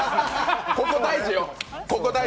ここ、大事よ。